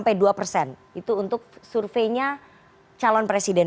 itu untuk surveinya calon presiden